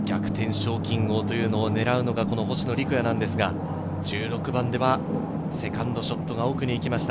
賞金王というのを狙うのがこの星野陸也なんですが、１６番ではセカンドショットが奥に行きました。